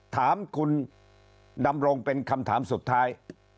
ถามคุณดำรงเป็นคำถามสุดท้าย